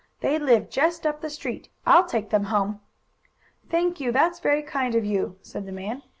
They live just up the street. I'll take them home." "Thank you; that's very kind of you," said the man.